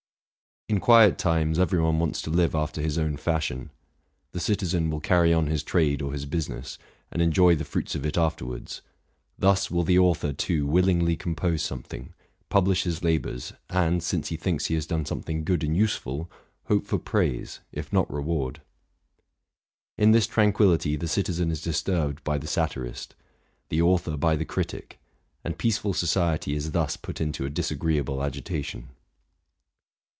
In quiet times every one wants to live after his own fash ion: the citizen will carry on his trade or his business, and enjoy the fruits of it afterwards; thus will the author, too, willingly compose something, publish his labors, and, since he thinks he has done something good and useful, hope for praise, if not reward. In this tranquillity the citizen is dis turbed by the satirist, the author by the critic; and peaceful 'society is thus put into a disagreeable agitation.